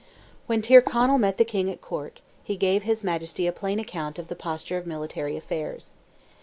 When Tyrconnell met the King at Cork, he gave his Majesty a plain account of the posture of military affairs.